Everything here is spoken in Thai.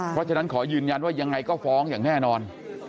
เพราะฉะนั้นขอยืนยันว่ายังไงก็ฟ้องอย่างแน่นอน